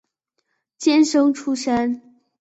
监生出身。